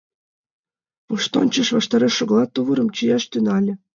Воштончыш ваштареш шогалят, тувырым чияш тӱҥале.